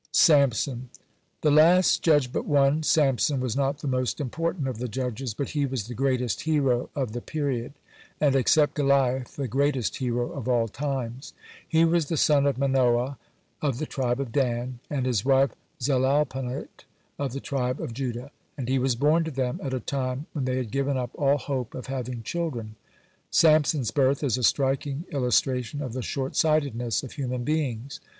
(110) SAMSON The last judge but one, Samson, was not the most important of the judges, but he was the greatest hero of the period and, except Goliath, the greatest hero of all times. He was the son of Manoah of the tribe of Dan, and his wife Zelalponit (111) of the tribe of Judah, (112) and he was born to them at a time when they had given up all hope of having children. Samson's birth is a striking illustration of the shortsightedness of human beings.